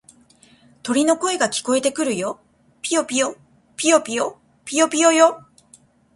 鳥の声が聞こえてくるよ。ぴよぴよ、ぴよぴよ、ぴよぴよよ。